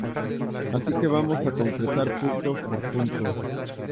Así que vamos a concretar punto por punto